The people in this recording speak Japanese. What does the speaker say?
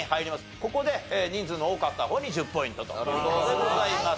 ここで人数の多かった方に１０ポイントという事でございます。